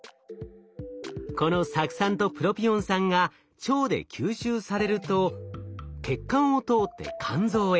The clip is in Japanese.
この酢酸とプロピオン酸が腸で吸収されると血管を通って肝臓へ。